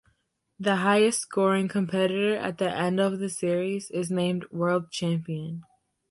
The highest scoring competitor at the end of the series is named World Champion.